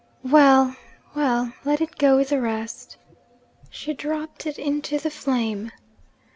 'Well! well! let it go with the rest.' She dropped it into the flame.